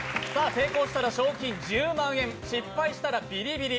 成功したら賞金１０万円、失敗したらビリビリ！